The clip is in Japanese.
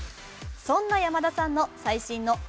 そんな山田さんの最新の「＃